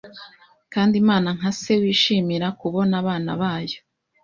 Kandi Imana nka se wishimira kubona abana bayo